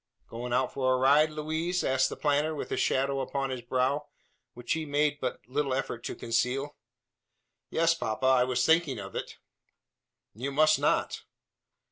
"Going out for a ride, Louise?" asked the planter with a shadow upon his brow, which he made but little effort to conceal. "Yes, papa; I was thinking of it." "You must not."